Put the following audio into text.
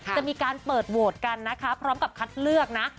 จะมีการเปิดโหวตกันนะคะพร้อมกับคัดเลือกนะ